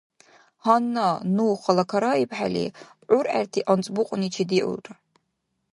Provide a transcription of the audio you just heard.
Гьанна, ну халакараибхӀели, ургӀерти анцӀбукьуни чедиулра.